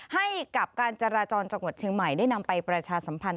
ให้กับการจราจรจังหวัดเชียงใหม่ได้นำไปประชาสัมพันธ